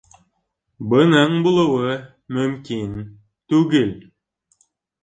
Бының булыуы мөмкин түгел!